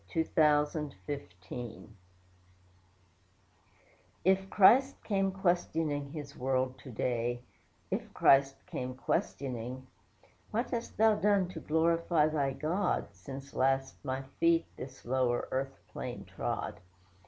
IF CHRIST CAME QUESTIONING If Christ came questioning His world to day, (If Christ came questioning,) 'What hast thou done to glorify thy God, Since last My feet this lower earth plane trod?